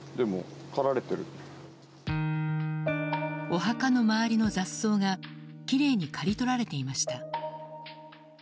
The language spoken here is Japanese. お墓の周りの雑草がきれいに刈り取られていました。